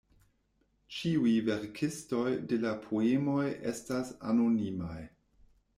Ĉiuj verkistoj de la poemoj estas anonimaj.